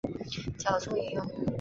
脚注引用